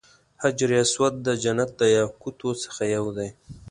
حجر اسود د جنت د یاقوتو څخه یو دی.